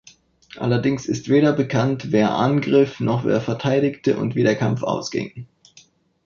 Allerdings ist weder bekannt, wer angriff, noch wer verteidigte und wie der Kampf ausging.